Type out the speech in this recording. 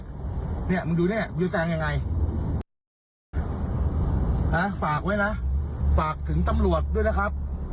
เนี่ยมึงดูแน่มึงแซงยังไงนะฝากไว้นะฝากถึงตำรวจด้วยนะครับ